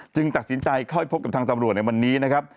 ตัดสินใจเข้าพบกับทางตำรวจในวันนี้นะครับ